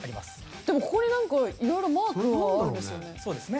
でも、ここになんか色々マークがあるんですよね。